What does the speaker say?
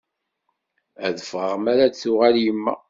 Ad ffɣeɣ mi ara d-tuɣal yemma.